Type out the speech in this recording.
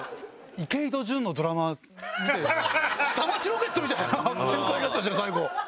池井戸潤のドラマ『下町ロケット』みたいな展開があったじゃん最後。